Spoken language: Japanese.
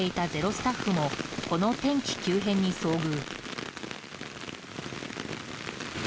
スタッフもこの天気急変に遭遇。